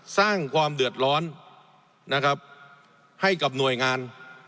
สร้างความเดือดร้อนนะครับให้กับหน่วยงาน